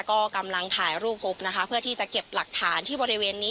ก็กำลังถ่ายรูปพบนะคะเพื่อที่จะเก็บหลักฐานที่บริเวณนี้